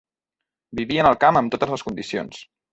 Vivien al camp amb totes les condicions.